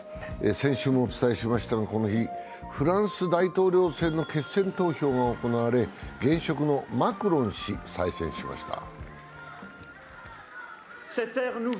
先週もお伝えしましたが、この日、フランス大統領選の決選投票が行われ、現職のマクロン氏、再選しました。